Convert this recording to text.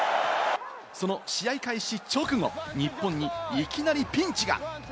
その試合開始直後、日本にいきなりピンチが。